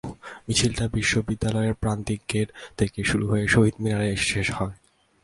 মিছিলটি বিশ্ববিদ্যালয়ের প্রান্তিক গেট থেকে শুরু হয়ে শহীদ মিনারে এসে শেষ হয়।